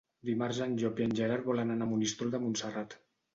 Dimarts en Llop i en Gerard volen anar a Monistrol de Montserrat.